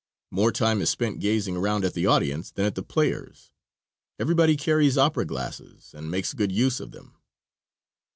More time is spent gazing around at the audience than at the players. Everybody carries opera glasses, and makes good use of them.